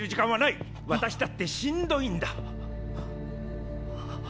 私だってしんどいんだ。